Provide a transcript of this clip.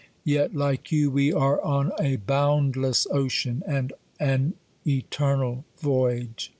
287 beino; ; yet like you, we are on a boundless ocean, and an eternal voyage.